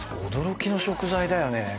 驚きの食材だよね。